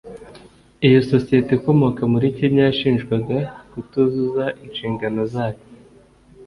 Iyo sosiyete ikomoka muri Kenya yashinjwaga kutuzuza inshingano zayo